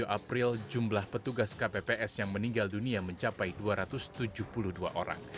dua puluh april jumlah petugas kpps yang meninggal dunia mencapai dua ratus tujuh puluh dua orang